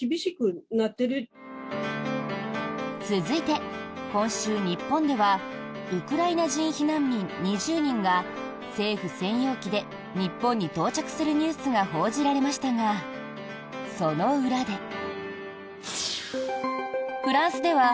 続いて、今週、日本ではウクライナ人避難民２０人が政府専用機で日本に到着するニュースが報じられましたがその裏で。